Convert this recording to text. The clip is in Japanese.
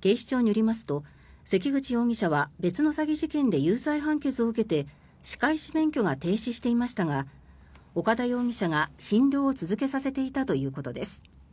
警視庁によりますと関口容疑者は別の詐欺事件で有罪判決を受けて歯科医師免許が停止していましたが岡田容疑者が診療を続けさせていたということです。